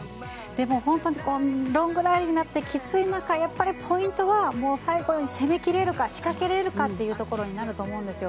本当にロングラリーになってきつい中ポイントは最後に攻め切れるか仕掛けられるかというところになると思うんですよ。